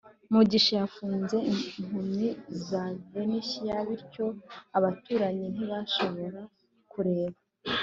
mugisha yafunze impumyi za venetian, bityo abaturanyi ntibashobora kureba